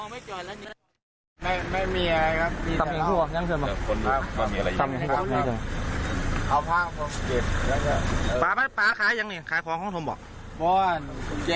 ผมรู้สักทีผมไม่รู้ว่าตำรวจตามแล้วหนีอีก